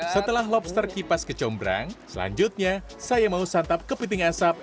setelah lobster kipas kecombrang selanjutnya saya mau santap kepiting asap